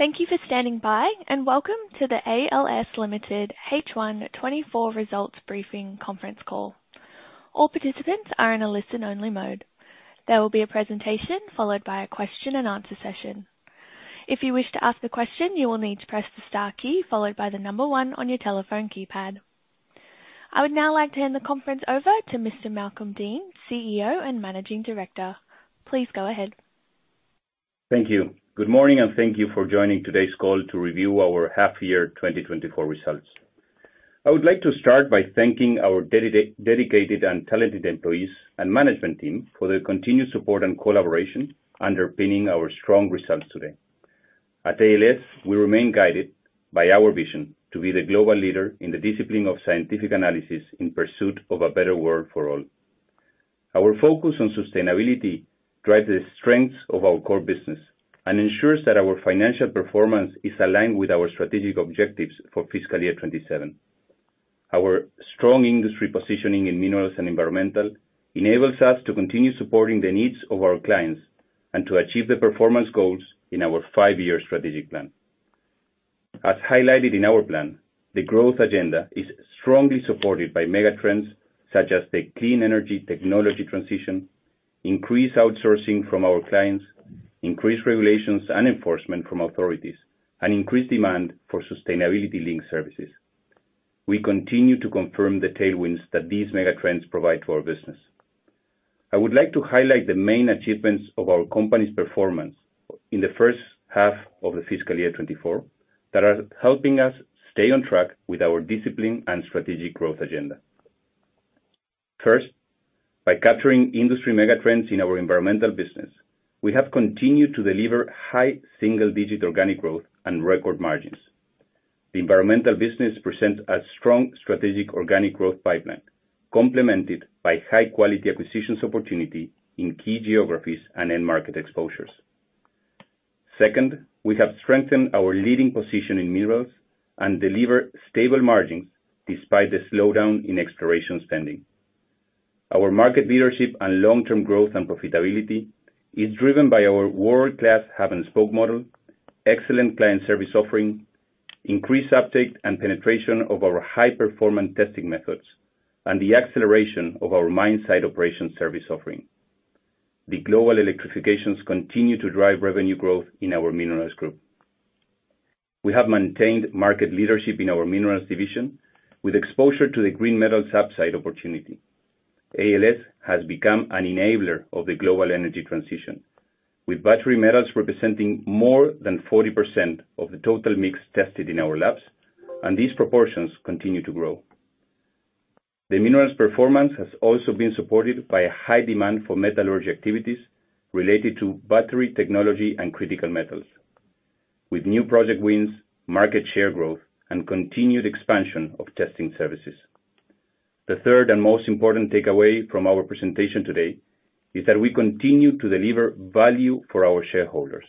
Thank you for standing by, and welcome to the ALS Limited H1 2024 Results Briefing conference call. All participants are in a listen-only mode. There will be a presentation, followed by a question-and-answer session. If you wish to ask a question, you will need to press the star key followed by the number one on your telephone keypad. I would now like to hand the conference over to Mr. Malcolm Deane, CEO and Managing Director. Please go ahead. Thank you. Good morning, and thank you for joining today's call to review our half-year 2024 results. I would like to start by thanking our dedicated and talented employees and management team for their continued support and collaboration underpinning our strong results today. At ALS, we remain guided by our vision to be the global leader in the discipline of scientific analysis in pursuit of a better world for all. Our focus on sustainability drives the strengths of our Coal business and ensures that our financial performance is aligned with our strategic objectives for fiscal year 2027. Our strong industry positioning in minerals and environmental enables us to continue supporting the needs of our clients and to achieve the performance goals in our five-year strategic plan. As highlighted in our plan, the growth agenda is strongly supported by megatrends such as the clean energy technology transition, increased outsourcing from our clients, increased regulations and enforcement from authorities, and increased demand for sustainability-linked services. We continue to confirm the tailwinds that these megatrends provide to our business. I would like to highlight the main achievements of our company's performance in the first half of the fiscal year 2024, that are helping us stay on track with our discipline and strategic growth agenda. First, by capturing industry megatrends in our environmental business, we have continued to deliver high single-digit organic growth and record margins. The environmental business presents a strong strategic organic growth pipeline, complemented by high-quality acquisitions opportunity in key geographies and end market exposures. Second, we have strengthened our leading position in minerals and delivered stable margins despite the slowdown in exploration spending. Our market leadership and long-term growth and profitability is driven by our world-class hub-and-spoke model, excellent client service offering, increased uptake and penetration of our high-performance testing methods, and the acceleration of our mine site operations service offering. The global electrification continue to drive revenue growth in our minerals group. We have maintained market leadership in our minerals division, with exposure to the green metal subsidy opportunity. ALS has become an enabler of the global energy transition, with battery metals representing more than 40% of the total mix tested in our labs, and these proportions continue to grow. The minerals performance has also been supported by a high demand for metallurgy activities related to battery technology and critical metals, with new project wins, market share growth, and continued expansion of testing services. The third and most important takeaway from our presentation today is that we continue to deliver value for our shareholders.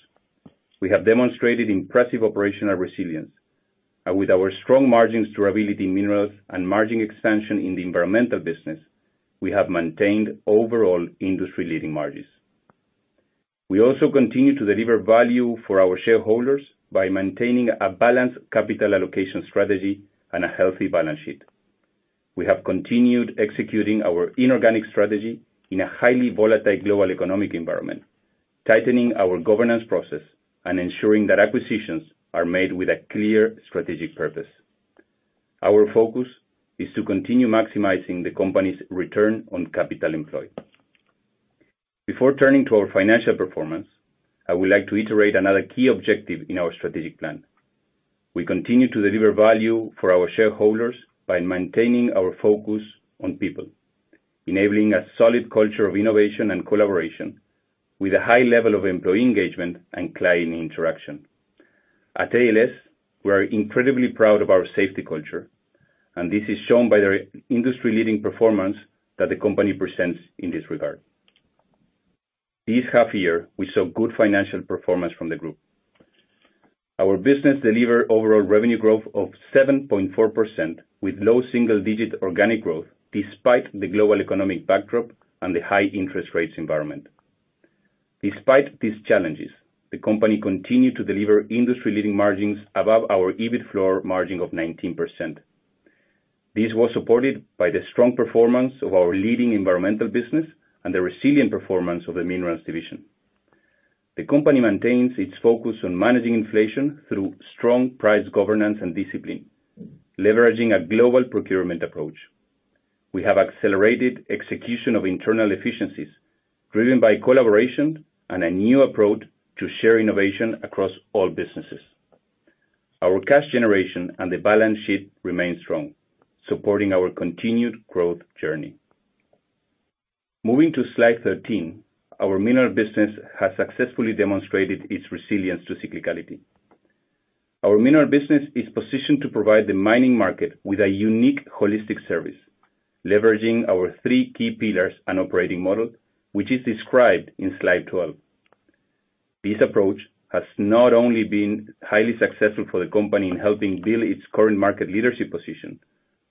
We have demonstrated impressive operational resilience, and with our strong margins durability in minerals and margin expansion in the environmental business, we have maintained overall industry-leading margins. We also continue to deliver value for our shareholders by maintaining a balanced capital allocation strategy and a healthy balance sheet. We have continued executing our inorganic strategy in a highly volatile global economic environment, tightening our governance process and ensuring that acquisitions are made with a clear strategic purpose. Our focus is to continue maximizing the company's return on capital employed. Before turning to our financial performance, I would like to reiterate another key objective in our strategic plan. We continue to deliver value for our shareholders by maintaining our focus on people, enabling a solid culture of innovation and collaboration, with a high level of employee engagement and client interaction. At ALS, we are incredibly proud of our safety culture, and this is shown by the industry-leading performance that the company presents in this regard. This half year, we saw good financial performance from the group. Our business delivered overall revenue growth of 7.4%, with low single-digit organic growth, despite the global economic backdrop and the high interest rates environment. Despite these challenges, the company continued to deliver industry-leading margins above our EBIT floor margin of 19%. This was supported by the strong performance of our leading environmental business and the resilient performance of the minerals division. The company maintains its focus on managing inflation through strong price governance and discipline, leveraging a global procurement approach. We have accelerated execution of internal efficiencies, driven by collaboration and a new approach to share innovation across all businesses. Our cash generation and the balance sheet remain strong, supporting our continued growth journey. Moving to slide 13, our mineral business has successfully demonstrated its resilience to cyclicality. Our mineral business is positioned to provide the mining market with a unique holistic service, leveraging our three key pillars and operating model, which is described in slide 12. This approach has not only been highly successful for the company in helping build its current market leadership position,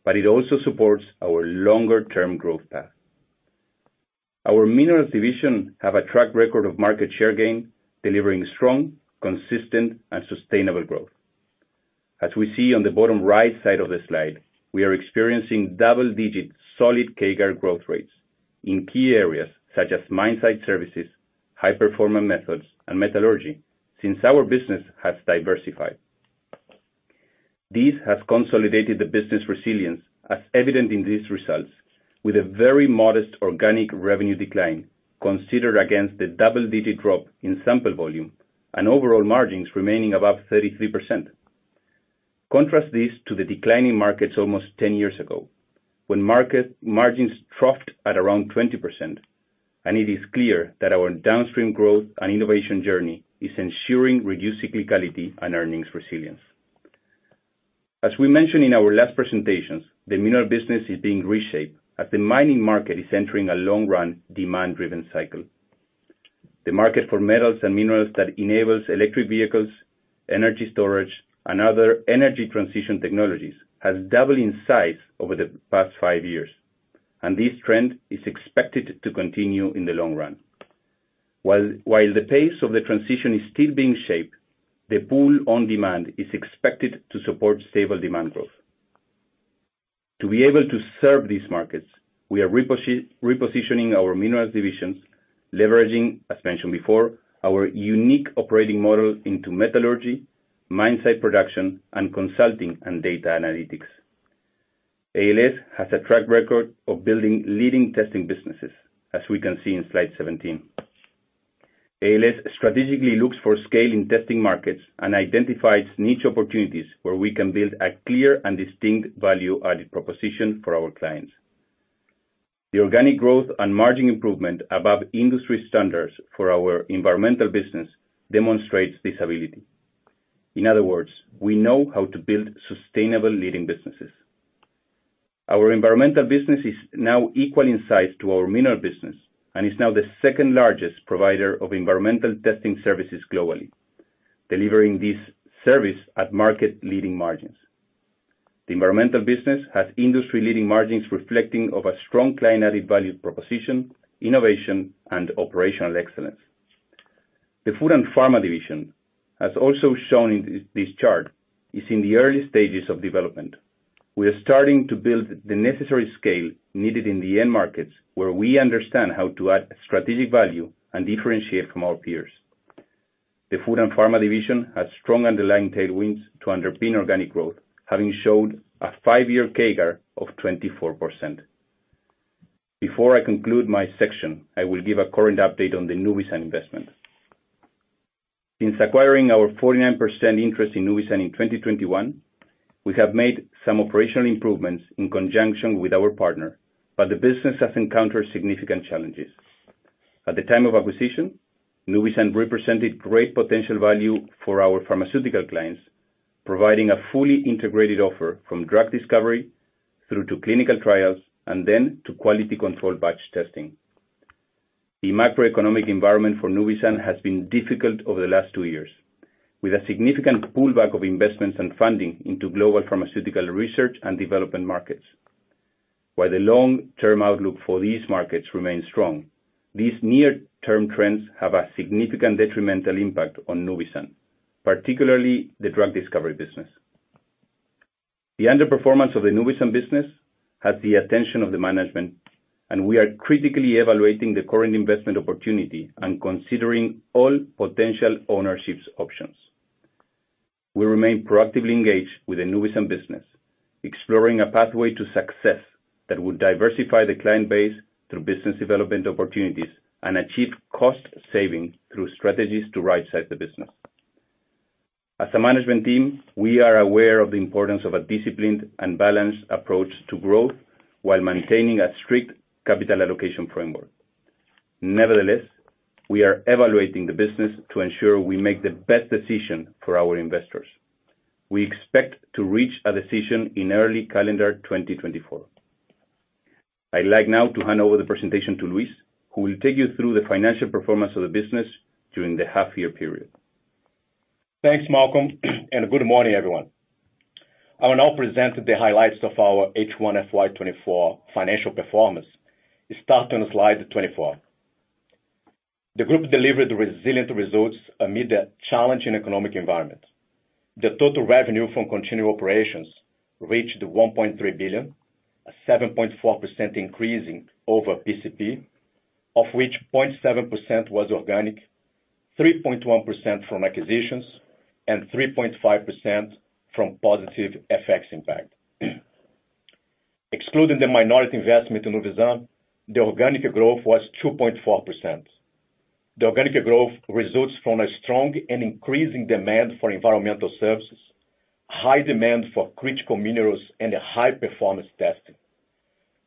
but it also supports our longer-term growth path.... Our minerals division have a track record of market share gain, delivering strong, consistent, and sustainable growth. As we see on the bottom right side of the slide, we are experiencing double-digit solid CAGR growth rates in key areas such as mine site services, high performance methods, and metallurgy, since our business has diversified. This has consolidated the business resilience, as evident in these results, with a very modest organic revenue decline, considered against the double-digit drop in sample volume and overall margins remaining above 33%. Contrast this to the declining markets almost 10 years ago, when market margins troughed at around 20%, and it is clear that our downstream growth and innovation journey is ensuring reduced cyclicality and earnings resilience. As we mentioned in our last presentations, the mineral business is being reshaped as the mining market is entering a long run, demand-driven cycle. The market for metals and minerals that enables electric vehicles, energy storage, and other energy transition technologies has doubled in size over the past five years, and this trend is expected to continue in the long run. While the pace of the transition is still being shaped, the pull on demand is expected to support stable demand growth. To be able to serve these markets, we are repositioning our minerals division, leveraging, as mentioned before, our unique operating model into metallurgy, mine site production, and consulting and data analytics. ALS has a track record of building leading testing businesses, as we can see in slide 17. ALS strategically looks for scale in testing markets and identifies niche opportunities where we can build a clear and distinct value-added proposition for our clients. The organic growth and margin improvement above industry standards for our environmental business demonstrates this ability. In other words, we know how to build sustainable leading businesses. Our environmental business is now equal in size to our mineral business, and is now the second-largest provider of environmental testing services globally, delivering this service at market-leading margins. The environmental business has industry-leading margins reflecting of a strong client added value proposition, innovation, and operational excellence. The food and pharma division, as also shown in this chart, is in the early stages of development. We are starting to build the necessary scale needed in the end markets, where we understand how to add strategic value and differentiate from our peers. The food and pharma division has strong underlying tailwinds to underpin organic growth, having showed a five-year CAGR of 24%. Before I conclude my section, I will give a current update on the Nuvisan investment. Since acquiring our 49% interest in Nuvisan in 2021, we have made some operational improvements in conjunction with our partner, but the business has encountered significant challenges. At the time of acquisition, Nuvisan represented great potential value for our pharmaceutical clients, providing a fully integrated offer from drug discovery through to clinical trials, and then to quality control batch testing. The macroeconomic environment for Nuvisan has been difficult over the last 2 years, with a significant pullback of investments and funding into global pharmaceutical research and development markets. While the long-term outlook for these markets remains strong, these near-term trends have a significant detrimental impact on Nuvisan, particularly the drug discovery business. The underperformance of the Nuvisan business has the attention of the management, and we are critically evaluating the current investment opportunity and considering all potential ownership options. We remain proactively engaged with the Nuvisan business, exploring a pathway to success that would diversify the client base through business development opportunities and achieve cost saving through strategies to rightsize the business. As a management team, we are aware of the importance of a disciplined and balanced approach to growth, while maintaining a strict capital allocation framework. Nevertheless, we are evaluating the business to ensure we make the best decision for our investors. We expect to reach a decision in early calendar 2024. I'd like now to hand over the presentation to Luis, who will take you through the financial performance of the business during the half year period. Thanks, Malcolm, and good morning, everyone. I will now present the highlights of our H1 FY 2024 financial performance. Let's start on slide 24. The group delivered resilient results amid a challenging economic environment. The total revenue from continued operations reached 1.3 billion, a 7.4% increase over PCP, of which 0.7% was organic, 3.1% from acquisitions, and 3.5% from positive FX impact. Excluding the minority investment in Nuvisan, the organic growth was 2.4%. The organic growth results from a strong and increasing demand for environmental services, high demand for critical minerals, and a high-performance testing,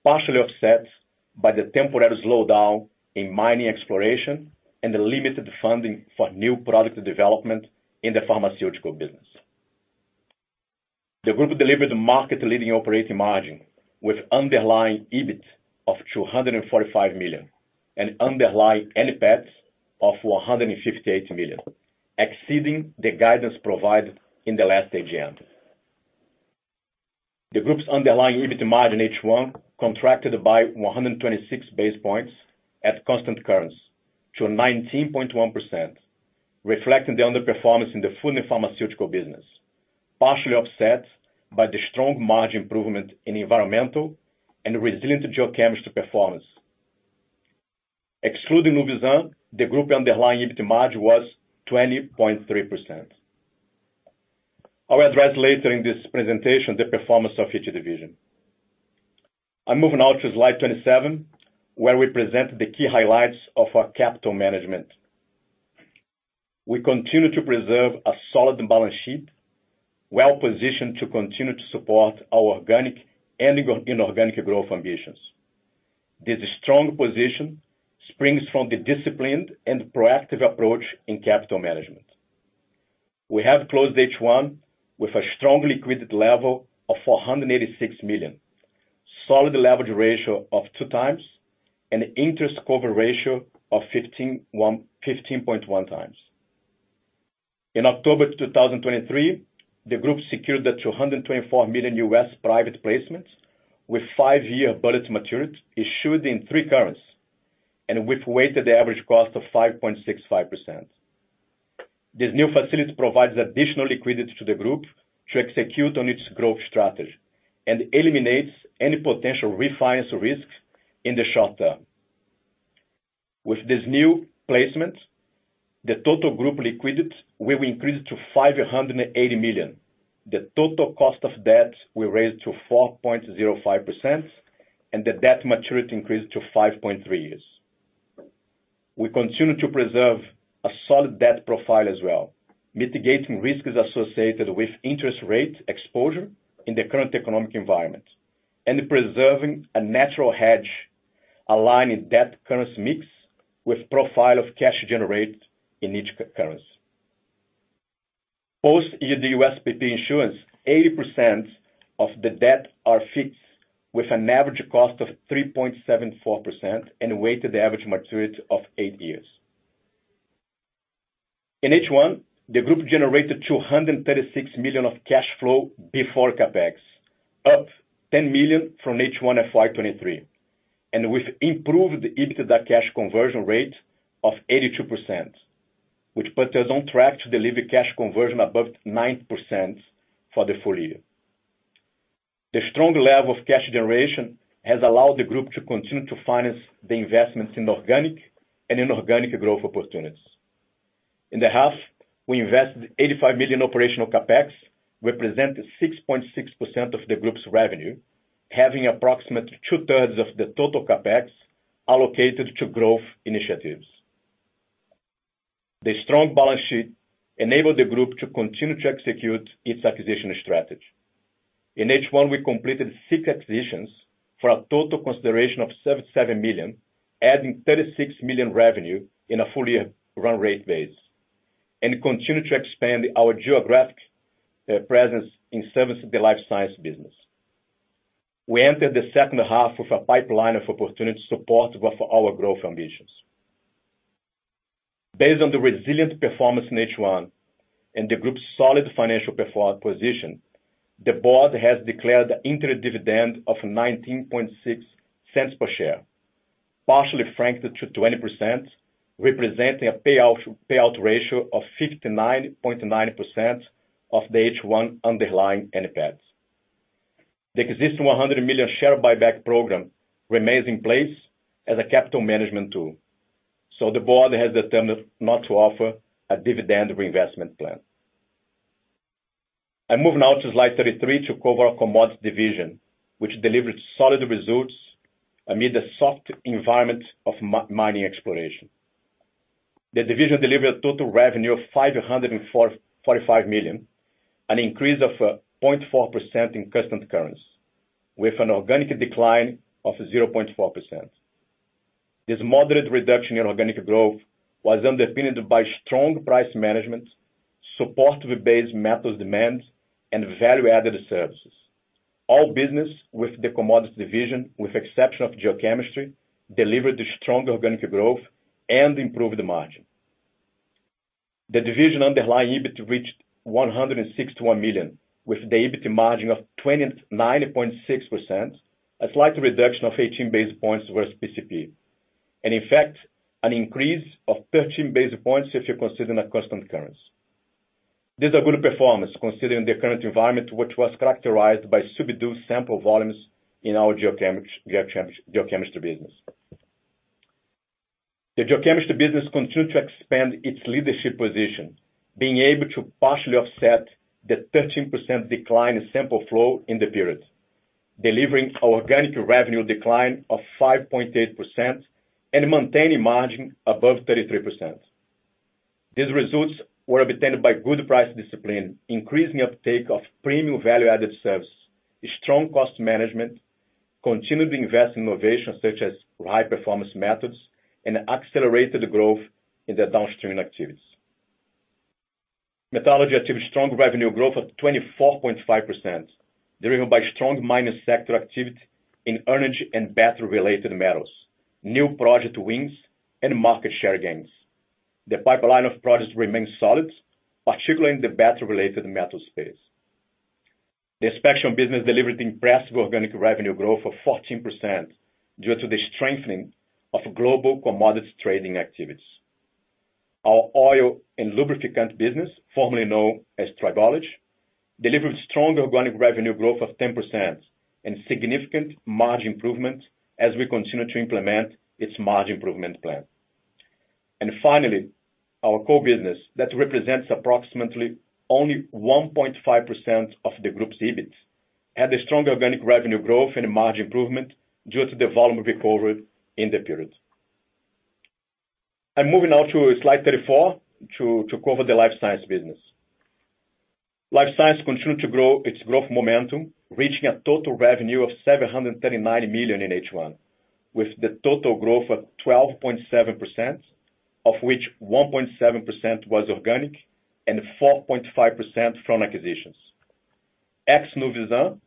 partially offset by the temporary slowdown in mining exploration and the limited funding for new product development in the pharmaceutical business. The group delivered market-leading operating margin with underlying EBIT of 245 million, and underlying NPAT of 158 million, exceeding the guidance provided in the last AGM. The group's underlying EBIT margin H1 contracted by 126 basis points at constant currency to 19.1%, reflecting the underperformance in the food and pharmaceutical business, partially offset by the strong margin improvement in environmental and resilient geochemistry performance. Excluding Nuvisan, the group underlying EBIT margin was 20.3%. I will address later in this presentation, the performance of each division. I'm moving now to slide 27, where we present the key highlights of our capital management. We continue to preserve a solid balance sheet, well positioned to continue to support our organic and inorganic growth ambitions. This strong position springs from the disciplined and proactive approach in capital management. We have closed H1 with a strong liquidity level of 486 million. Solid leverage ratio of 2x and interest cover ratio of 15.1x. In October 2023, the group secured $224 million US private placements with 5-year bullet maturity, issued in three currencies, and with weighted average cost of 5.65%. This new facility provides additional liquidity to the group to execute on its growth strategy and eliminates any potential refinance risks in the short term. With this new placement, the total group liquidity will increase to 580 million. The total cost of debt will rise to 4.05%, and the debt maturity increase to 5.3 years. We continue to preserve a solid debt profile as well, mitigating risks associated with interest rate exposure in the current economic environment, and preserving a natural hedge, aligning debt currency mix with profile of cash generated in each currency. Post EUR USPP issuance, 80% of the debt are fixed, with an average cost of 3.74% and a weighted average maturity of 8 years. In H1, the group generated 236 million of cash flow before CapEx, up 10 million from H1 FY 2023, and with improved EBITDA cash conversion rate of 82%, which puts us on track to deliver cash conversion above 9% for the full year. The strong level of cash generation has allowed the group to continue to finance the investments in organic and inorganic growth opportunities. In the half, we invested 85 million operational CapEx, represented 6.6% of the group's revenue, having approximately two-thirds of the total CapEx allocated to growth initiatives. The strong balance sheet enabled the group to continue to execute its acquisition strategy. In H1, we completed 6 acquisitions for a total consideration of 77 million, adding 36 million revenue in a full year run rate base, and continue to expand our geographic presence in service of the life science business. We entered the second half with a pipeline of opportunities to support with our growth ambitions. Based on the resilient performance in H1 and the group's solid financial position, the board has declared an interim dividend of 0.196 per share, partly franked to 20%, representing a payout ratio of 59.9% of the H1 underlying NPAT. The existing 100 million share buyback program remains in place as a capital management tool, so the board has determined not to offer a dividend reinvestment plan. I'm moving now to slide 33 to cover our Commodities division, which delivered solid results amid the soft environment of mining exploration. The division delivered total revenue of 545 million, an increase of 0.4% in constant currency, with an organic decline of 0.4%. This moderate reduction in organic growth was underpinned by strong price management, support with base metals demand, and value-added services. All business with the Commodities division, with exception of geochemistry, delivered strong organic growth and improved the margin. The division underlying EBIT reached 161 million, with the EBIT margin of 29.6%, a slight reduction of 18 basis points versus PCP, and in fact, an increase of 13 basis points if you're considering a constant currency. This is a good performance, considering the current environment, which was characterized by subdued sample volumes in our geochemistry business. The geochemistry business continued to expand its leadership position, being able to partially offset the 13% decline in sample flow in the period, delivering organic revenue decline of 5.8% and maintaining margin above 33%. These results were obtained by good price discipline, increasing uptake of premium value-added services, strong cost management, continued investment in innovation, such as high performance methods, and accelerated growth in the downstream activities. Metallurgy achieved strong revenue growth of 24.5%, driven by strong mining sector activity in energy and battery-related metals, new project wins, and market share gains.... The pipeline of products remains solid, particularly in the battery-related metal space. The Inspection business delivered impressive organic revenue growth of 14% due to the strengthening of global commodities trading activities. Our oil and lubricant business, formerly known as Tribology, delivered strong organic revenue growth of 10% and significant margin improvement as we continue to implement its margin improvement plan. Finally, our core business, that represents approximately only 1.5% of the group's EBIT, had a strong organic revenue growth and margin improvement due to the volume recovery in the period. I'm moving now to slide 34 to cover the life science business. Life Sciences continued to grow its growth momentum, reaching a total revenue of 739 million in H1, with the total growth of 12.7%, of which 1.7% was organic and 4.5% from acquisitions. Ex Nuvisan,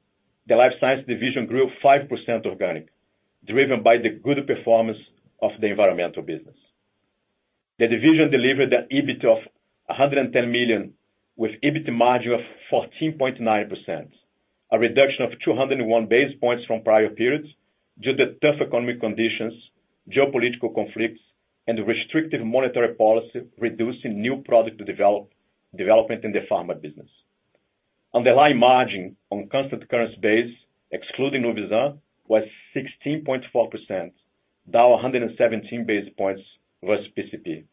the Life Sciences division grew 5% organic, driven by the good performance of the environmental business. The division delivered an EBIT of 110 million, with EBIT margin of 14.9%, a reduction of 201 basis points from prior periods, due to tough economic conditions, geopolitical conflicts, and restrictive monetary policy, reducing new product development in the pharma business. Underlying margin on constant currency base, excluding Nuvisan, was 16.4%, down 117 basis points versus PCP,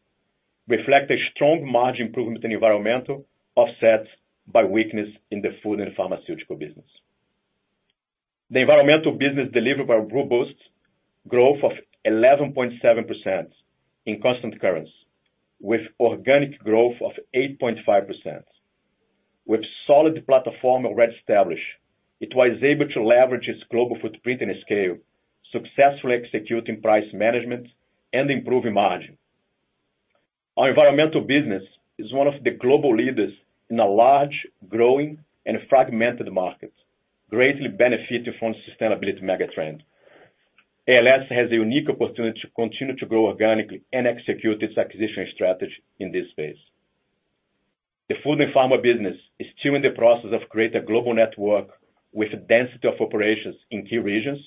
reflect a strong margin improvement in environmental, offset by weakness in the food and pharmaceutical business. The environmental business delivered by robust growth of 11.7% in constant currency, with organic growth of 8.5%. With solid platform already established, it was able to leverage its global footprint and scale, successfully executing price management and improving margin. Our environmental business is one of the global leaders in a large, growing, and fragmented market, greatly benefiting from sustainability megatrend. ALS has a unique opportunity to continue to grow organically and execute its acquisition strategy in this space. The food and pharma business is still in the process of creating a global network with a density of operations in key regions,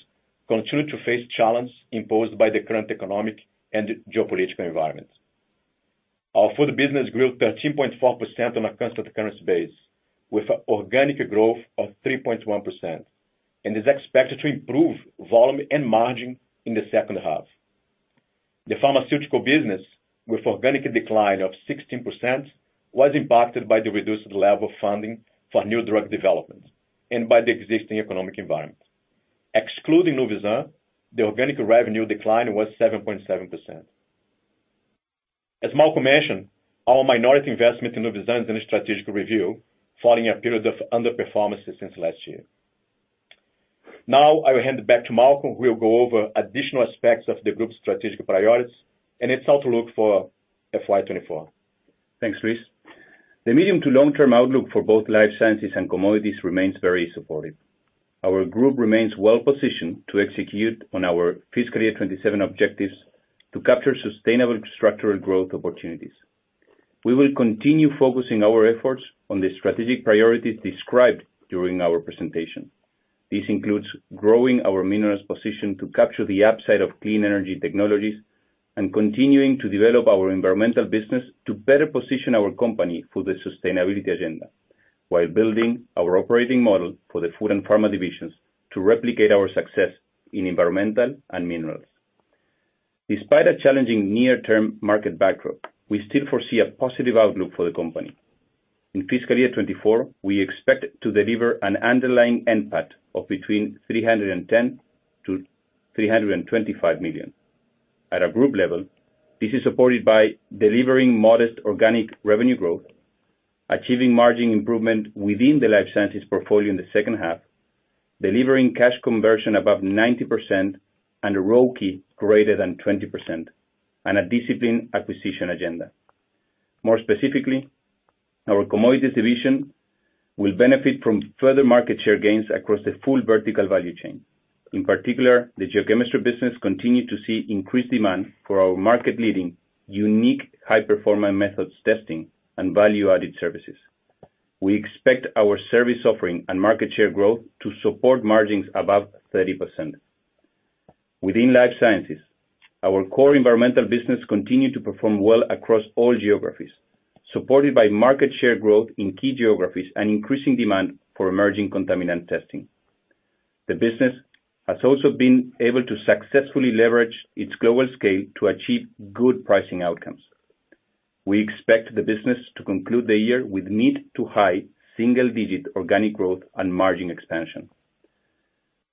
and continues to face challenges imposed by the current economic and geopolitical environment. Our food business grew 13.4% on a constant currency base, with organic growth of 3.1%, and is expected to improve volume and margin in the second half. The pharmaceutical business, with organic decline of 16%, was impacted by the reduced level of funding for new drug development and by the existing economic environment. Excluding Nuvisan, the organic revenue decline was 7.7%. As Malcolm mentioned, our minority investment in Nuvisan is in a strategic review, following a period of underperformance since last year. Now, I will hand it back to Malcolm, who will go over additional aspects of the group's strategic priorities and its outlook for FY 2024. Thanks, Luis. The medium to long-term outlook for both life sciences and commodities remains very supportive. Our group remains well positioned to execute on our fiscal year 2027 objectives to capture sustainable structural growth opportunities. We will continue focusing our efforts on the strategic priorities described during our presentation. This includes growing our minerals position to capture the upside of clean energy technologies and continuing to develop our environmental business to better position our company for the sustainability agenda, while building our operating model for the food and pharma divisions to replicate our success in environmental and minerals. Despite a challenging near-term market backdrop, we still foresee a positive outlook for the company. In fiscal year 2024, we expect to deliver an underlying NPAT of between 310 million and 325 million. At a group level, this is supported by delivering modest organic revenue growth, achieving margin improvement within the life sciences portfolio in the second half, delivering cash conversion above 90% and a ROCE greater than 20%, and a disciplined acquisition agenda. More specifically, our commodities division will benefit from further market share gains across the full vertical value chain. In particular, the geochemistry business continued to see increased demand for our market-leading, unique, high-performance methods testing and value-added services. We expect our service offering and market share growth to support margins above 30%. Within life sciences, our core environmental business continued to perform well across all geographies, supported by market share growth in key geographies and increasing demand for emerging contaminant testing. The business has also been able to successfully leverage its global scale to achieve good pricing outcomes. We expect the business to conclude the year with mid to high single-digit organic growth and margin expansion.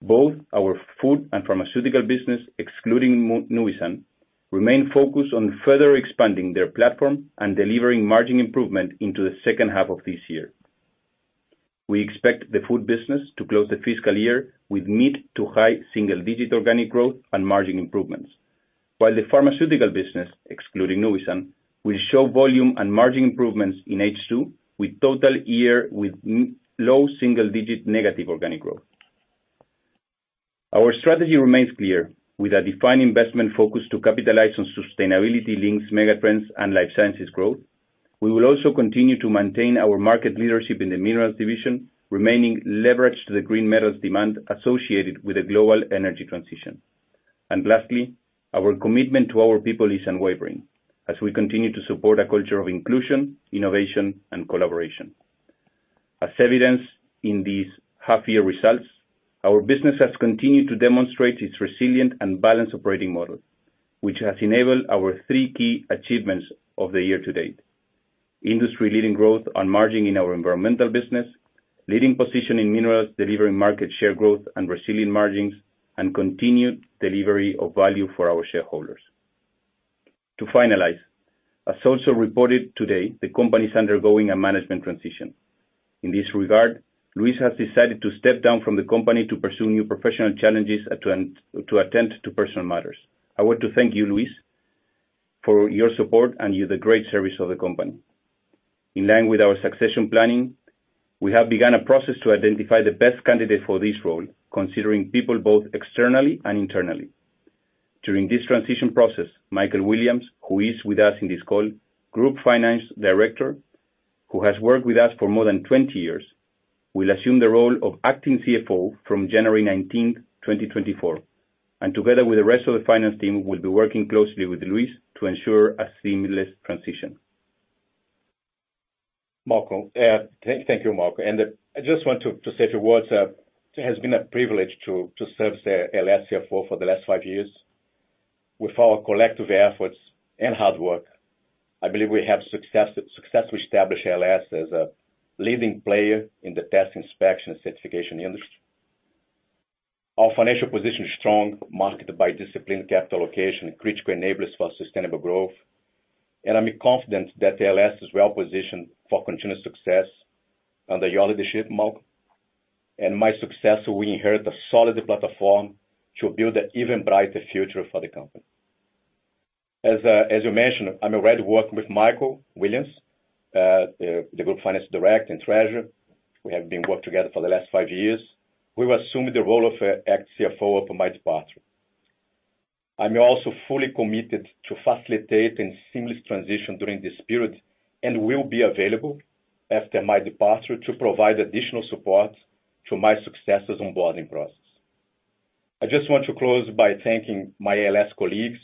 Both our food and pharmaceutical business, excluding Nuvisan, remain focused on further expanding their platform and delivering margin improvement into the second half of this year. We expect the food business to close the fiscal year with mid to high single-digit organic growth and margin improvements. While the pharmaceutical business, excluding Nuvisan, will show volume and margin improvements in H2, with total year low single-digit negative organic growth. Our strategy remains clear, with a defined investment focus to capitalize on sustainability links, megatrends, and life sciences growth. We will also continue to maintain our market leadership in the minerals division, remaining leveraged to the green metals demand associated with the global energy transition. And lastly, our commitment to our people is unwavering, as we continue to support a culture of inclusion, innovation, and collaboration. As evidenced in these half year results, our business has continued to demonstrate its resilient and balanced operating model, which has enabled our three key achievements of the year to date. Industry-leading growth on margin in our environmental business, leading position in minerals, delivering market share growth and resilient margins, and continued delivery of value for our shareholders. To finalize, as also reported today, the company is undergoing a management transition. In this regard, Luis has decided to step down from the company to pursue new professional challenges and to attend to personal matters. I want to thank you, Luis, for your support and your great service to the company. In line with our succession planning, we have begun a process to identify the best candidate for this role, considering people both externally and internally. During this transition process, Michael Williams, who is with us in this call, Group Finance Director, who has worked with us for more than 20 years, will assume the role of Acting CFO from January 19, 2024, and together with the rest of the finance team, will be working closely with Luis to ensure a seamless transition. Malcolm, thank, thank you, Malcolm. I just want to say two words. It has been a privilege to serve as the ALS CFO for the last five years. With our collective efforts and hard work, I believe we have successfully established ALS as a leading player in the testing, inspection, and certification industry. Our financial position is strong, marked by disciplined capital allocation, critical enablers for sustainable growth, and I'm confident that ALS is well positioned for continuous success under your leadership, Malcolm. My successor will inherit a solid platform to build an even brighter future for the company. As you mentioned, I'm already working with Michael Williams, the Group Finance Director and Treasurer. We have been working together for the last five years. He will assume the role of Acting CFO upon my departure. I'm also fully committed to facilitate a seamless transition during this period, and will be available after my departure to provide additional support to my successor's onboarding process. I just want to close by thanking my LS colleagues,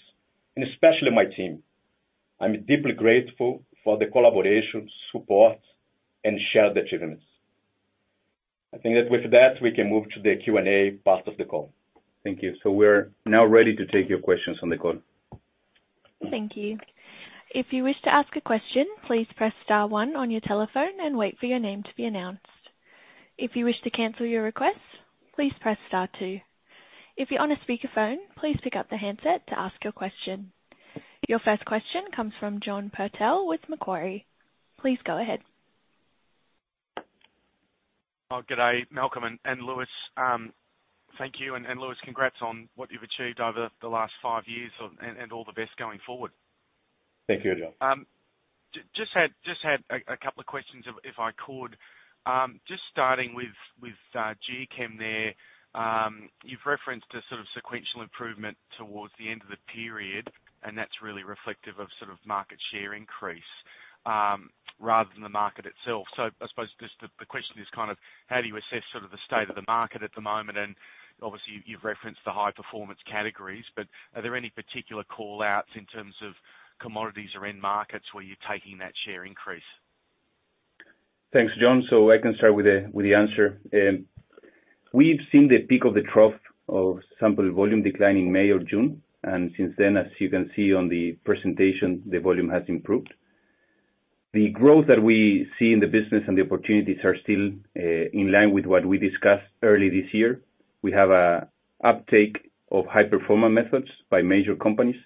and especially my team. I'm deeply grateful for the collaboration, support, and shared achievements. I think that with that, we can move to the Q&A part of the call. Thank you. So we're now ready to take your questions on the call. Thank you. If you wish to ask a question, please press star one on your telephone and wait for your name to be announced. If you wish to cancel your request, please press star two. If you're on a speakerphone, please pick up the handset to ask your question. Your first question comes from John Purtell with Macquarie. Please go ahead. Oh, good day, Malcolm and Luis. Thank you. And Luis, congrats on what you've achieved over the last five years, and all the best going forward. Thank you, John. Just had a couple of questions if I could. Just starting with Geochem there. You've referenced a sort of sequential improvement towards the end of the period, and that's really reflective of sort of market share increase, rather than the market itself. So I suppose just the question is kind of how do you assess sort of the state of the market at the moment? And obviously, you've referenced the high performance categories, but are there any particular call-outs in terms of commodities or end markets where you're taking that share increase? Thanks, John. So I can start with the, with the answer. We've seen the peak of the trough of sample volume decline in May or June, and since then, as you can see on the presentation, the volume has improved. The growth that we see in the business and the opportunities are still in line with what we discussed early this year. We have a uptake of high performer methods by major companies,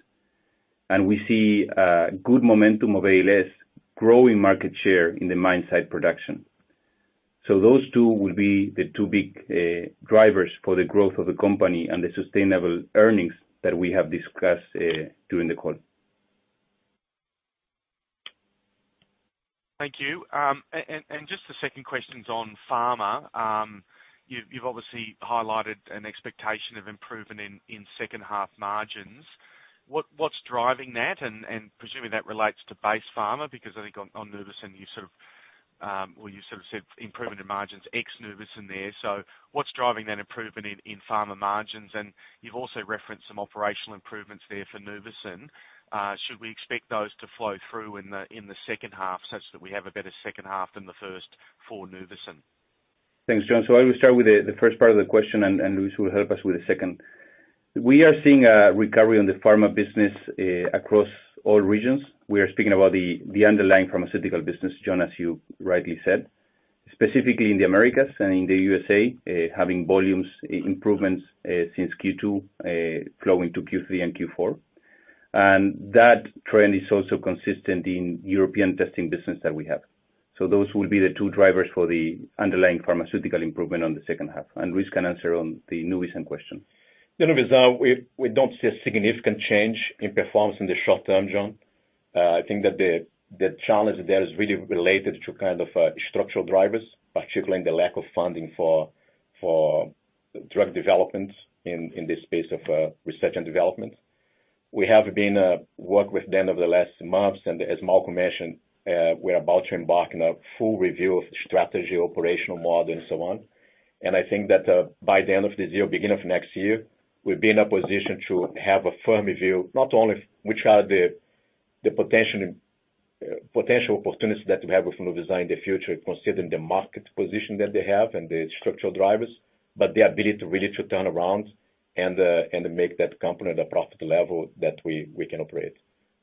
and we see good momentum of ALS growing market share in the mine site production. So those two will be the two big drivers for the growth of the company and the sustainable earnings that we have discussed during the call. Thank you. And just the second question is on pharma. You've obviously highlighted an expectation of improvement in second half margins. What's driving that? And presumably that relates to base pharma, because I think on Nuvisan you sort of, well, you sort of said improvement in margins ex Nuvisan there. So what's driving that improvement in pharma margins? And you've also referenced some operational improvements there for Nuvisan. Should we expect those to flow through in the second half, such that we have a better second half than the first for Nuvisan? Thanks, John. So I will start with the first part of the question, and Luis will help us with the second. We are seeing a recovery on the pharma business across all regions. We are speaking about the underlying pharmaceutical business, John, as you rightly said. Specifically in the Americas and in the USA, having volume improvements since Q2, flowing to Q3 and Q4. And that trend is also consistent in European testing business that we have. So those will be the two drivers for the underlying pharmaceutical improvement on the second half, and Luis can answer on the Nuvisan question. Nuvisan, we don't see a significant change in performance in the short term, John. ... I think that the, the challenge there is really related to kind of, structural drivers, particularly in the lack of funding for, for drug development in, in this space of, research and development. We have been, work with them over the last months, and as Malcolm mentioned, we're about to embark in a full review of the strategy, operational model, and so on. And I think that, by the end of this year, beginning of next year, we'll be in a position to have a firm review, not only which are the, the potential and, potential opportunities that we have with Nuvisan in the future, considering the market position that they have and the structural drivers, but the ability to really to turn around and, and make that company at a profit level that we, we can operate.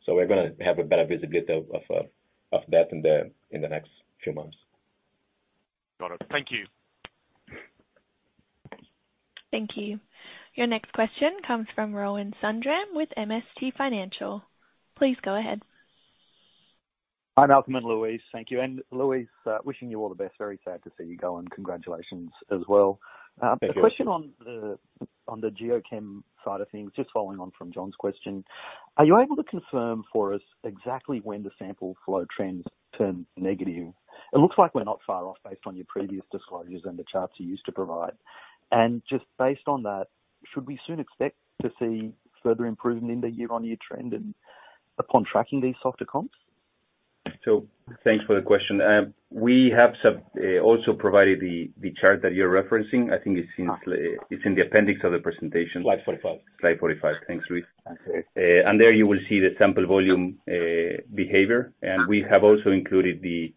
So we're gonna have a better visibility of that in the next few months. Got it. Thank you. Thank you. Your next question comes from Rohan Sundram with MST Financial. Please go ahead. Hi, Malcolm and Luis. Thank you. And Luis, wishing you all the best. Very sad to see you go, and congratulations as well. Thank you. A question on the, on the Geochem side of things, just following on from John's question. Are you able to confirm for us exactly when the sample flow trends turned negative? It looks like we're not far off, based on your previous disclosures and the charts you used to provide. Just based on that, should we soon expect to see further improvement in the year-on-year trend and upon tracking these soft comps? Thanks for the question. We have also provided the chart that you're referencing. I think it's in the appendix of the presentation. Slide forty-five. Slide 45. Thanks, Luis. Okay. And there you will see the sample volume behavior. And we have also included the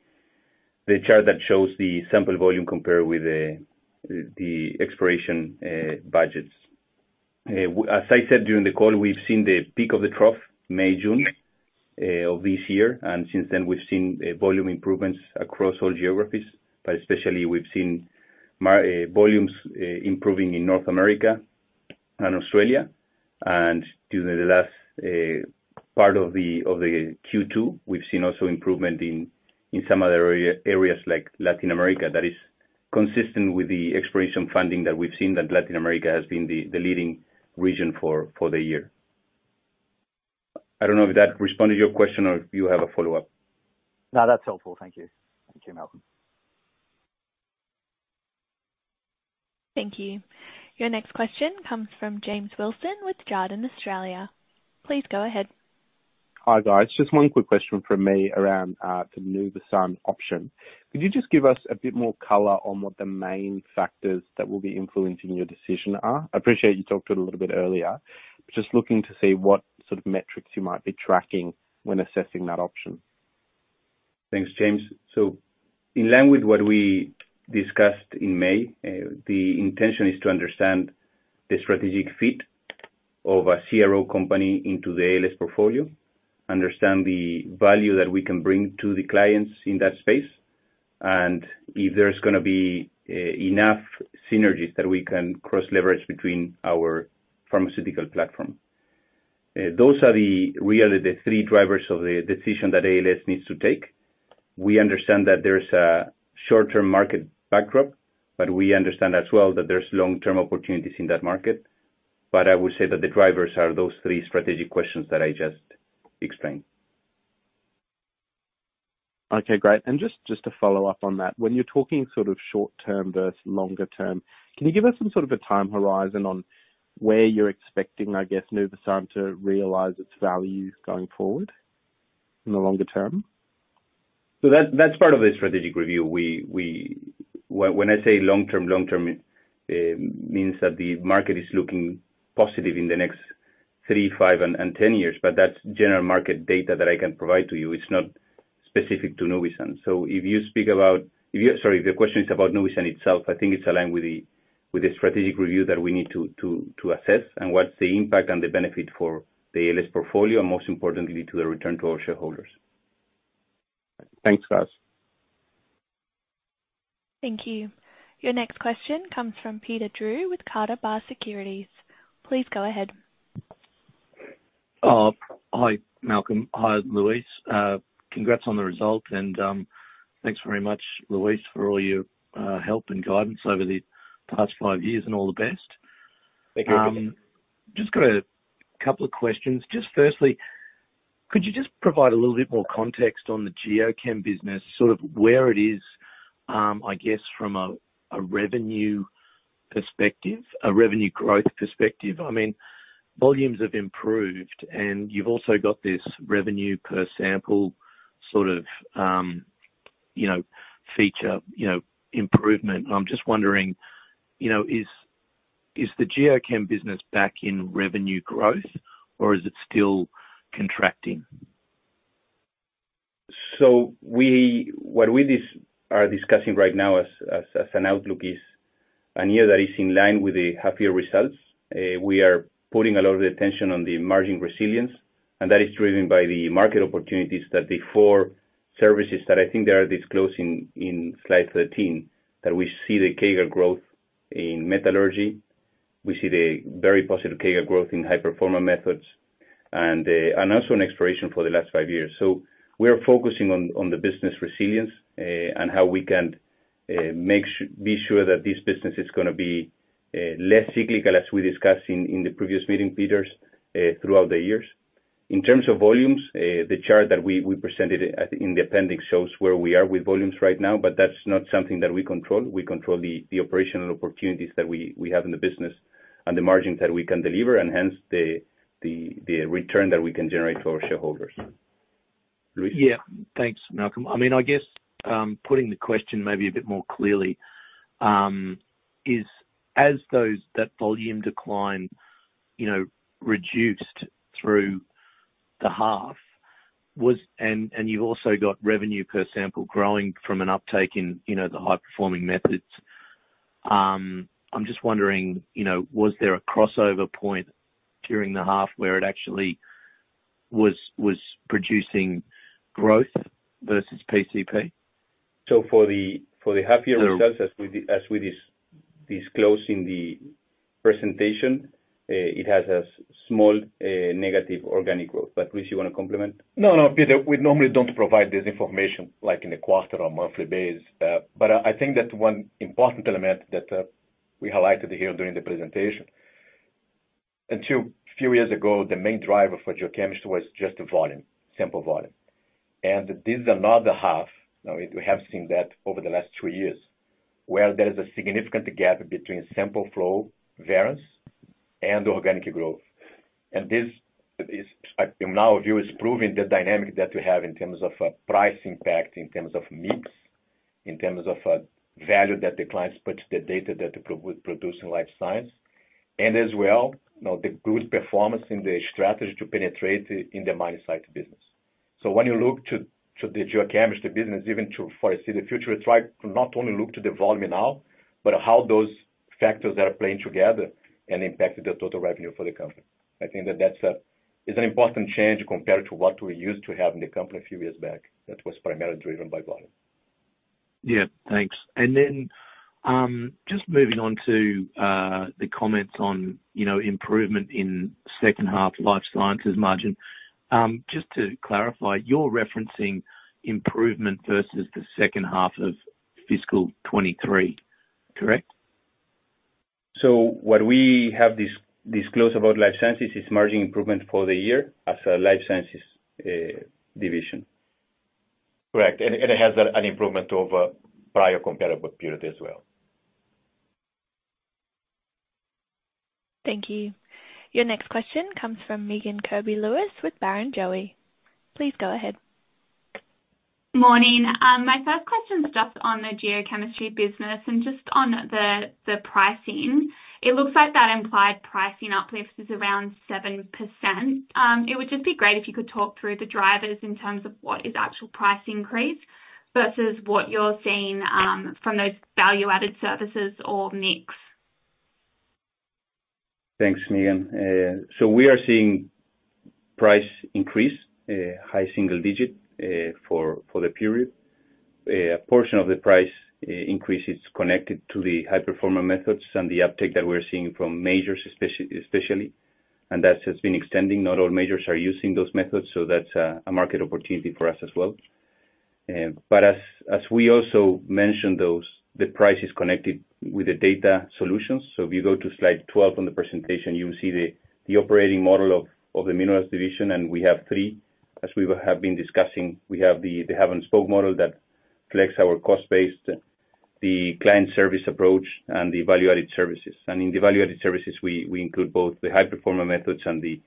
chart that shows the sample volume compared with the exploration budgets. As I said, during the call, we've seen the peak of the trough May, June of this year, and since then, we've seen volume improvements across all geographies. But especially we've seen volumes improving in North America and Australia, and during the last part of the Q2, we've seen also improvement in some other areas like Latin America, that is consistent with the exploration funding that we've seen, that Latin America has been the leading region for the year. I don't know if that responded to your question or if you have a follow-up. No, that's helpful. Thank you. Thank you, Malcolm. Thank you. Your next question comes from James Wilson with Jarden Australia. Please go ahead. Hi, guys. Just one quick question from me around the Nuvisan option. Could you just give us a bit more color on what the main factors that will be influencing your decision are? I appreciate you talked it a little bit earlier. Just looking to see what sort of metrics you might be tracking when assessing that option. Thanks, James. So in line with what we discussed in May, the intention is to understand the strategic fit of a CRO company into the ALS portfolio, understand the value that we can bring to the clients in that space, and if there's gonna be enough synergies that we can cross leverage between our pharmaceutical platform. Those are the, really, the three drivers of the decision that ALS needs to take. We understand that there's a short-term market backdrop, but we understand as well that there's long-term opportunities in that market. But I would say that the drivers are those three strategic questions that I just explained. Okay, great. And just, just to follow up on that, when you're talking sort of short term versus longer term, can you give us some sort of a time horizon on where you're expecting, I guess, Nuvisan to realize its values going forward in the longer term? So that, that's part of the strategic review. We—When I say long term, it means that the market is looking positive in the next 3, 5, and 10 years, but that's general market data that I can provide to you. It's not specific to Nuvisan. So if you speak about... If you, sorry, if the question is about Nuvisan itself, I think it's aligned with the strategic review that we need to assess and what's the impact and the benefit for the ALS portfolio, and most importantly, to the return to our shareholders. Thanks, guys. Thank you. Your next question comes from Peter Drew with Carter Barr Securities. Please go ahead. Hi, Malcolm. Hi, Luis. Congrats on the result, and thanks very much, Luis, for all your help and guidance over the past five years, and all the best. Thank you. Just got a couple of questions. Just firstly, could you just provide a little bit more context on the Geochem business, sort of where it is, I guess, from a, a revenue perspective, a revenue growth perspective? I mean, volumes have improved, and you've also got this revenue per sample sort of, you know, feature, you know, improvement. I'm just wondering, you know, is, is the Geochem business back in revenue growth, or is it still contracting? So what we are discussing right now as an outlook is a year that is in line with the happier results. We are putting a lot of the attention on the margin resilience, and that is driven by the market opportunities that the four services that I think they are disclosing in Slide 13, that we see the CAGR growth in metallurgy. We see the very positive CAGR growth in high-performance methods and also in exploration for the last 5 years. So we are focusing on the business resilience and how we can be sure that this business is gonna be less cyclical, as we discussed in the previous meeting, Peter, throughout the years. In terms of volumes, the chart that we presented in the appendix shows where we are with volumes right now, but that's not something that we control. We control the operational opportunities that we have in the business and the margins that we can deliver, and hence, the return that we can generate for our shareholders. Luis? Yeah. Thanks, Malcolm. I mean, I guess, putting the question maybe a bit more clearly, is as those, that volume decline, you know, reduced through the half, was and you've also got revenue per sample growing from an uptake in, you know, the high-performing methods. I'm just wondering, you know, was there a crossover point during the half where it actually was producing growth versus PCP? For the half year results, as we disclosed in the presentation, it has a small negative organic growth. But Luis, you want to comment? No, no, Peter, we normally don't provide this information, like on a quarter or monthly basis. But I think that one important element that we highlighted here during the presentation. Until a few years ago, the main driver for geochemistry was just the volume, sample volume. And this is another half; now, we have seen that over the last two years, where there is a significant gap between sample flow variance and organic growth. And this, in our view, is proving the dynamic that we have in terms of price impact, in terms of mix, in terms of value that the clients put on the data that we produce in life science, and as well, now, the good performance in the strategy to penetrate in the mine site business. So when you look to the geochemistry business, even to foresee the future, we try to not only look to the volume now, but how those factors are playing together and impact the total revenue for the company. I think that that's—it's an important change compared to what we used to have in the company a few years back. That was primarily driven by volume. Yeah, thanks. And then, just moving on to the comments on, you know, improvement in second half life sciences margin. Just to clarify, you're referencing improvement versus the second half of fiscal 2023, correct? What we have disclosed about life sciences is margin improvement for the year as a life sciences division. Correct. It has an improvement over Prior Comparable Period as well. Thank you. Your next question comes from Megan Kirby-Lewis with Barrenjoey. Please go ahead. Morning. My first question is just on the geochemistry business and just on the pricing. It looks like that implied pricing uplift is around 7%. It would just be great if you could talk through the drivers in terms of what is actual price increase versus what you're seeing from those value-added services or mix. Thanks, Megan. So we are seeing price increase, high single-digit, for the period. A portion of the price increase is connected to the high-performance methods and the uptake that we're seeing from majors, especially, and that has been extending. Not all majors are using those methods, so that's a market opportunity for us as well. But as we also mentioned, the price is connected with the data solutions. So if you go to slide 12 on the presentation, you will see the operating model of the minerals division, and we have three. As we have been discussing, we have the hub and spoke model that reflects our cost base, the client service approach, and the value-added services. In the value-added services, we include both the high-performance methods and the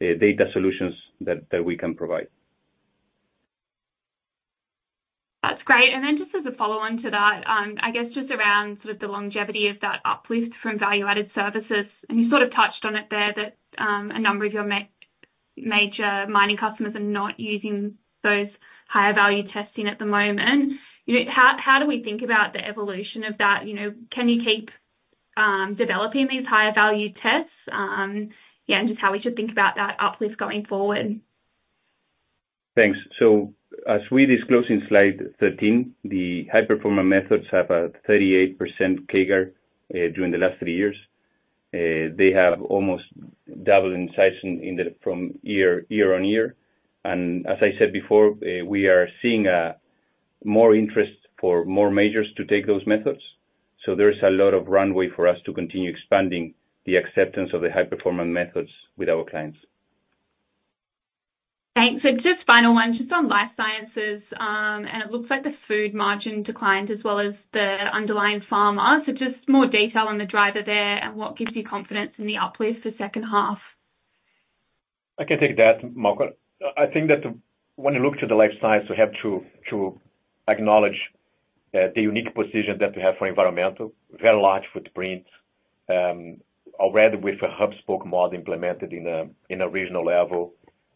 data solutions that we can provide. That's great. Then just as a follow-on to that, I guess just around sort of the longevity of that uplift from value-added services, and you sort of touched on it there, that a number of your major mining customers are not using those higher value testing at the moment. You know, how do we think about the evolution of that? You know, can you keep developing these higher value tests? Yeah, and just how we should think about that uplift going forward. Thanks. So as we disclose in slide 13, the high performer methods have a 38% CAGR during the last three years. They have almost doubled in size from year-on-year. And as I said before, we are seeing more interest for more majors to take those methods. So there is a lot of runway for us to continue expanding the acceptance of the high-performance methods with our clients. Thanks. So just final one, just on life sciences, and it looks like the food margin declined as well as the underlying pharma. So just more detail on the driver there and what gives you confidence in the uplift for second half. I can take that, Malcolm. I think that when you look to the Life Sciences, we have to acknowledge the unique position that we have for environmental, very large footprint, already with a hub-and-spoke model implemented in a regional level,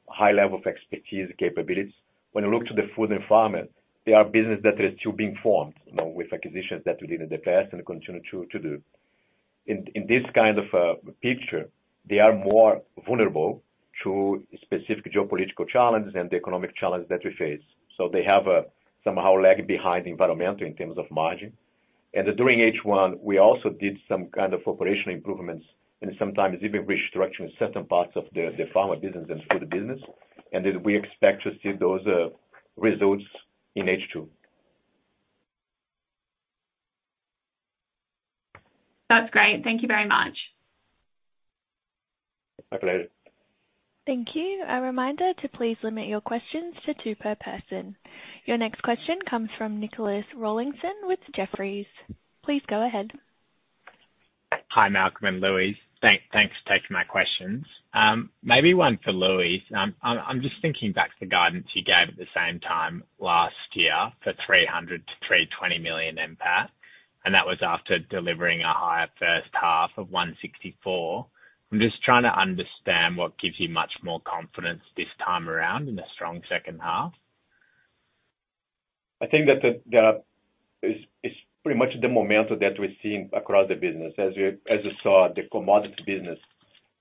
high level of expertise capabilities. When you look to the food and pharma, they are businesses that are still being formed, you know, with acquisitions that we did in the past and continue to do. In this kind of picture, they are more vulnerable to specific geopolitical challenges and the economic challenges that we face. So they have somehow lagged behind environmental in terms of margin. And during H1, we also did some kind of operational improvements and sometimes even restructuring certain parts of the pharma business and food business. and that we expect to see those results in H2. That's great. Thank you very much. My pleasure. Thank you. A reminder to please limit your questions to two per person. Your next question comes from Nicholas Rollinson with Jefferies. Please go ahead. Hi, Malcolm and Luis. Thanks for taking my questions. Maybe one for Luis. I'm just thinking back to the guidance you gave at the same time last year for 300-320 million NPAT, and that was after delivering a higher first half of 164. I'm just trying to understand what gives you much more confidence this time around in a strong second half. I think that the it's pretty much the momentum that we're seeing across the business. As you saw, the commodity business,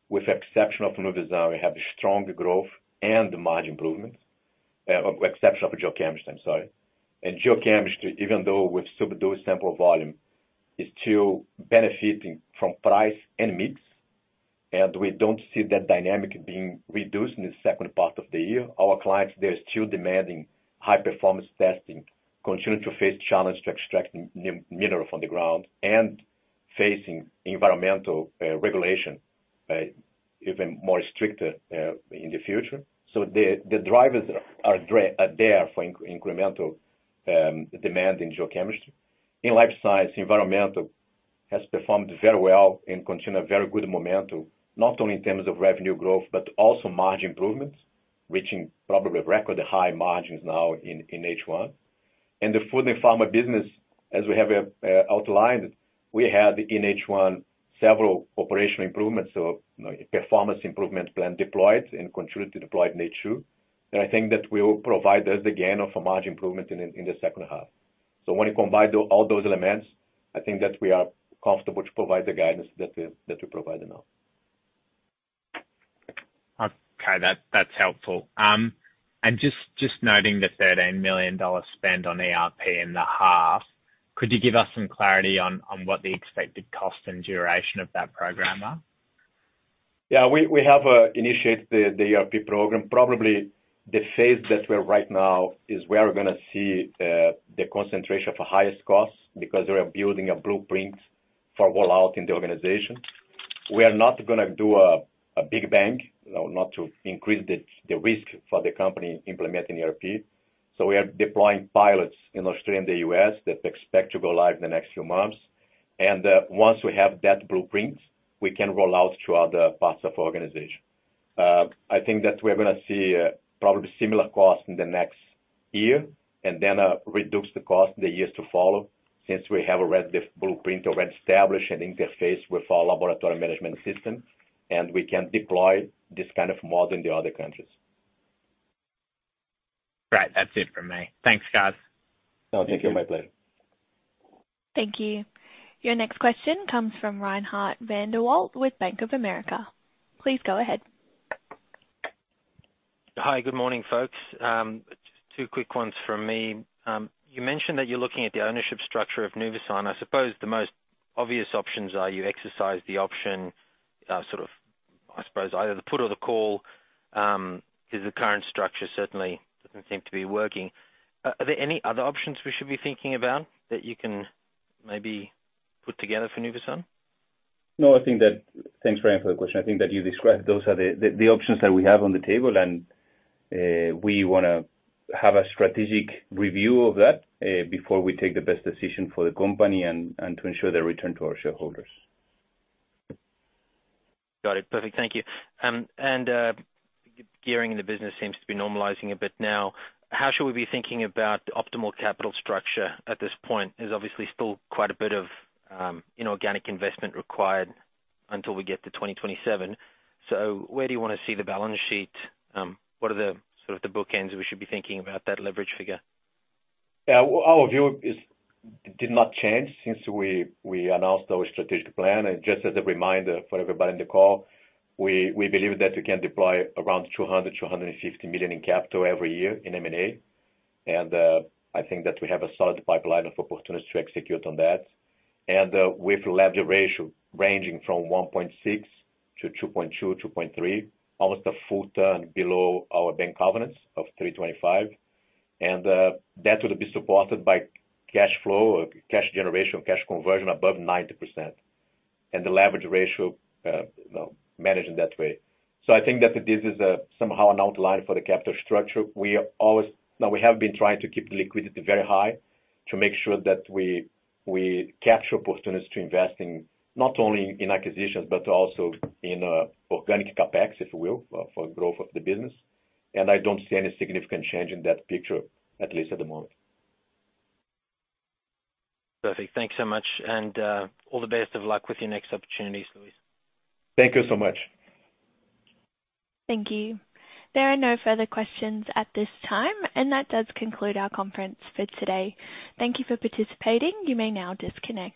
with exception of Nuvisan, we have strong growth and margin improvements. With exception of geochemistry, I'm sorry. In geochemistry, even though with subdued sample volume, is still benefiting from price and mix, and we don't see that dynamic being reduced in the second part of the year. Our clients, they're still demanding high performance testing, continue to face challenge to extract mineral from the ground and facing environmental regulation, even more stricter, in the future. So the drivers are there for incremental demand in geochemistry. In life science, environmental has performed very well and continue a very good momentum, not only in terms of revenue growth, but also margin improvements, reaching probably record high margins now in H1. And the food and pharma business, as we have outlined, we had in H1 several operational improvements. So, you know, performance improvement plan deployed and continue to deploy in H2. And I think that will provide us the gain of a margin improvement in the second half. So when you combine all those elements, I think that we are comfortable to provide the guidance that we provide now. Okay, that's helpful. And just noting the 13 million dollar spend on ERP in the half, could you give us some clarity on what the expected cost and duration of that program are? Yeah, we have initiated the ERP program. Probably the phase that we're right now is we are gonna see the concentration for highest costs, because we are building a blueprint for roll out in the organization. We are not gonna do a big bang, not to increase the risk for the company implementing ERP, so we are deploying pilots in Australia and the US that expect to go live in the next few months. And once we have that blueprint, we can roll out to other parts of the organization. I think that we're gonna see probably similar costs in the next year, and then reduce the cost in the years to follow, since we have a ready blueprint already established and interface with our laboratory management system, and we can deploy this kind of model in the other countries. Great. That's it from me. Thanks, guys. Oh, thank you. My pleasure. Thank you. Your next question comes from Reinhardt van der Walt with Bank of America. Please go ahead. Hi, good morning, folks. Just two quick ones from me. You mentioned that you're looking at the ownership structure of Nuvisan. I suppose the most obvious options are you exercise the option, sort of, I suppose, either the put or the call, because the current structure certainly doesn't seem to be working. Are there any other options we should be thinking about that you can maybe put together for Nuvisan? No, I think that... Thanks, Reinhardt, for the question. I think that you described, those are the options that we have on the table, and we wanna have a strategic review of that before we take the best decision for the company and to ensure the return to our shareholders. Got it. Perfect. Thank you. Gearing in the business seems to be normalizing a bit now. How should we be thinking about optimal capital structure at this point? There's obviously still quite a bit of inorganic investment required until we get to 2027. So where do you want to see the balance sheet? What are the, sort of the bookends we should be thinking about that leverage figure? Yeah. Our view is, did not change since we announced our strategic plan. And just as a reminder for everybody in the call, we believe that we can deploy around 200-150 million in capital every year in M&A. And I think that we have a solid pipeline of opportunities to execute on that. And with leverage ratio ranging from 1.6 to 2.2-2.3, almost a full turn below our bank covenants of 3.25. And that would be supported by cash flow or cash generation, cash conversion above 90%, and the leverage ratio, you know, managed in that way. So I think that this is somehow an outline for the capital structure. We are always now, we have been trying to keep liquidity very high, to make sure that we capture opportunities to invest in, not only in acquisitions, but also in organic CapEx, if you will, for growth of the business. And I don't see any significant change in that picture, at least at the moment. Perfect. Thanks so much, and all the best of luck with your next opportunities, Luis. Thank you so much. Thank you. There are no further questions at this time, and that does conclude our conference for today. Thank you for participating. You may now disconnect.